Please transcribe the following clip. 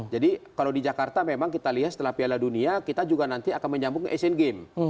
jadi kalau di jakarta memang kita lihat setelah piala dunia kita juga nanti akan menyambung ke asian game